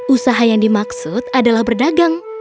usaha yang dimaksud adalah berdagang